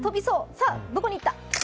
さあ、どこに行った？